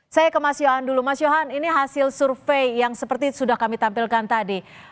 saya ke mas yohan dulu mas yohan ini hasil survei yang seperti sudah kami tampilkan tadi